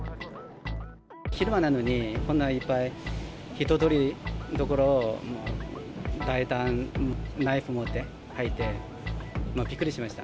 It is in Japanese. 昼間なのに、こんなにいっぱい人通り多い所、大胆、ナイフ持って、入って、びっくりしました。